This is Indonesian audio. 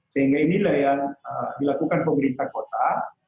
sehingga inilah yang dilakukan pemerintah kota